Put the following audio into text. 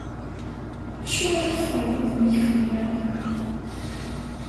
Acuɣer i teffreḍ udem-ik fell-aɣ?